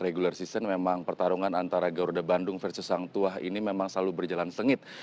regular season memang pertarungan antara garuda bandung versus sang tuah ini memang selalu berjalan sengit